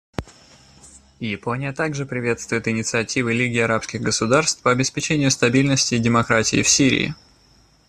Япония также приветствует инициативы Лиги арабских государств по обеспечению стабильности и демократии в Сирии.